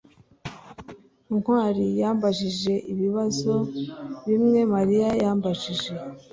ntwali yambajije ibibazo bimwe mariya yambajije